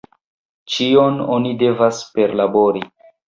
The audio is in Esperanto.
Ĉion oni devas perlabori.